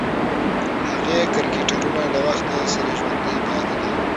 هغې کرکټرونه له وخت سره ژوندۍ پاتې دي.